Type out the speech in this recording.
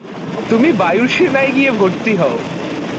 তুমি বায়ু সেনায় গিয়ে ভর্তি হও।